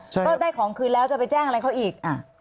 ก็ได้ของคืนแล้วจะไปแจ้งอะไรเขาอีก